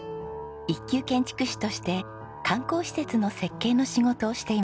一級建築士として観光施設の設計の仕事をしていました。